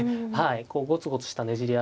こうゴツゴツしたねじり合い